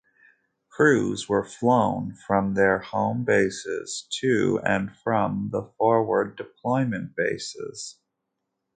Crews were flown from their home bases to and from the forward deployment bases.